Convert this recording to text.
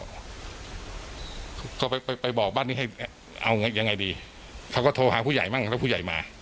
เขาก็ไปไปบอกบ้านนี้ให้เอายังไงดีเขาก็โทรหาผู้ใหญ่บ้างแล้วก็ผู้ใหญ่มา